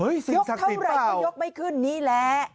ยกเท่าไรก็ยกไม่ขึ้นนี่แหละ